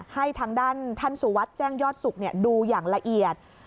ให้ทางด้านท่านสุวัสดิ์แจ้งยอดสุขดูอย่างละเอียด